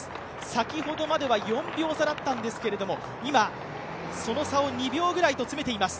先ほどまでは４秒差だったんですけれども、今、その差を２秒ぐらいと詰めています。